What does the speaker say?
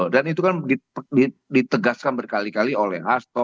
dan itu kan ditegaskan berkali kali oleh hasto